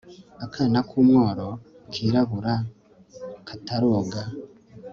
akana k'umworo kirabura kataroga